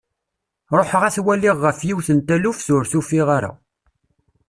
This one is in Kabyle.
Ruḥeɣ ad t-waliɣ ɣef yiwet n taluft, ur t-ufiɣ ara.